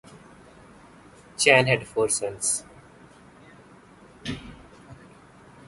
Chan had four sons.